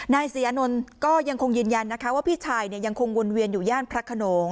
นายศรีอานนท์ก็ยังคงยืนยันนะคะว่าพี่ชายยังคงวนเวียนอยู่ย่านพระขนง